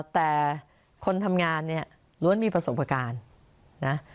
แต่คนทำงานเนี่ยล้วนมีประสบการณ์นะ